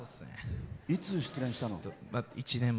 いつ失恋したの？